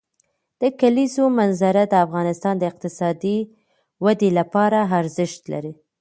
د کلیزو منظره د افغانستان د اقتصادي ودې لپاره ارزښت لري.